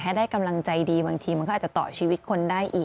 ถ้าได้กำลังใจดีบางทีมันก็อาจจะต่อชีวิตคนได้อีก